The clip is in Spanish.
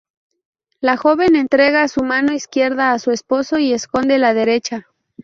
La joven entrega su mano izquierda a su esposo y esconde la derecha.